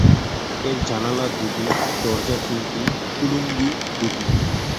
এর জানালা দুটি, দরজা তিনটি, কুলুঙ্গি দুটি।